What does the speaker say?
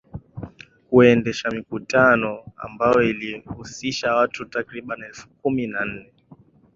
Kuendesha mikutano ambayo ilihusisha watu takribani elfu kumi na nane